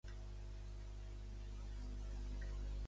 "Dis"i "Dat", dos nens travessers, han robat el cotxe.